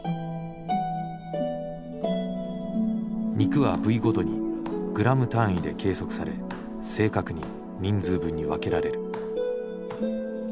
肉は部位ごとにグラム単位で計測され正確に人数分に分けられる。